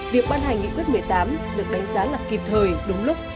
việc ban hành nghị quyết một mươi tám được đánh giá là kịp thời đúng lúc